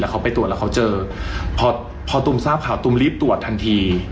เขาไปตรวจแล้วเขาเจอพอพอตุมทราบข่าวตุ้มรีบตรวจทันที